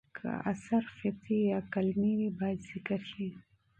که اثر خطي یا قلمي وي، باید ذکر شي.